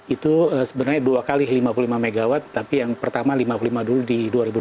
itu sebenarnya dua x lima puluh lima mw tapi yang pertama lima puluh lima dulu di dua ribu dua puluh